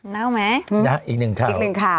น่าวไหมอีกหนึ่งข่าว